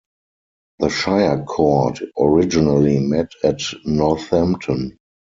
The shire court originally met at Northampton.